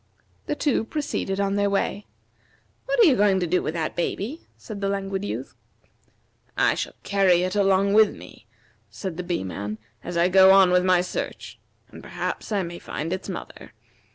The two proceeded on their way. "What are you going to do with that baby?" said the Languid Youth. "I shall carry it along with me," said the Bee man, "as I go on with my search, and perhaps I may find its mother.